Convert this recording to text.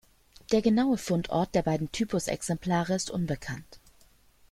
Der genaue Fundort der beiden Typusexemplare ist unbekannt.